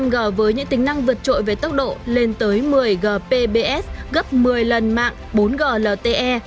năm g với những tính năng vượt trội về tốc độ lên tới một mươi g pbs gấp một mươi lần mạng bốn g lte